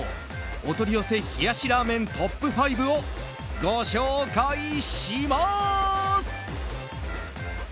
お取り寄せ冷やしラーメントップ５をご紹介します。